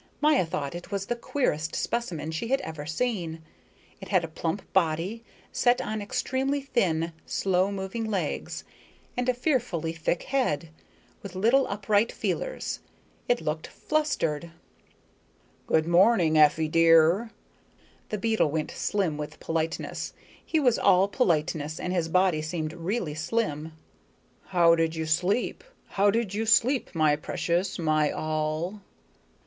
Maya thought it was the queerest specimen she had ever seen. It had a plump body, set on extremely thin, slow moving legs, and a fearfully thick head, with little upright feelers. It looked flustered. "Good morning, Effie dear." The beetle went slim with politeness. He was all politeness, and his body seemed really slim. "How did you sleep? How did you sleep, my precious my all?"